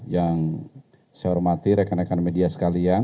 yang saya hormati rekan rekan media sekalian